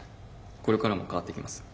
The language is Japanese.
これからも変わっていきます。